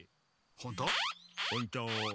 ほんと。